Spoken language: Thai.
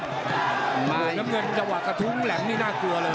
น้ำเงินจะหวากกะทุ้งแหลมไม่น่าเกลือเลย